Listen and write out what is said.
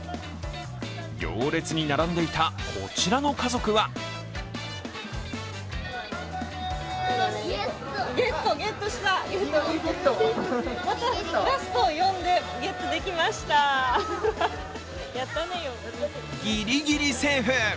行列に並んでいた、こちらの家族はギリギリセーフ！